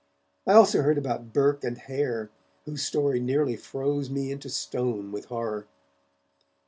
I also heard about Burke and Hare, whose story nearly froze me into stone with horror.